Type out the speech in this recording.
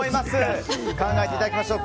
考えていただきましょう。